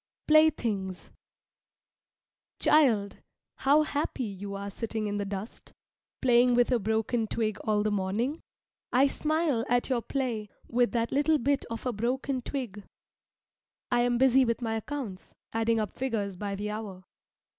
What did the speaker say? PLAYTHINGS Child, how happy you are sitting in the dust, playing with a broken twig all the morning. I smile at your play with that little bit of a broken twig. I am busy with my accounts, adding up figures by the hour.